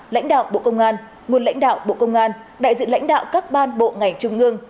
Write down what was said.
lãnh đạo bộ công an nguồn lãnh đạo bộ công an đại diện lãnh đạo các ban bộ ngành trung ương